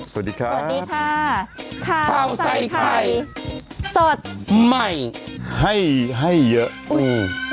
สวัสดีครับสวัสดีค่ะข้าวใส่ไข่สดใหม่ให้ให้เยอะอืม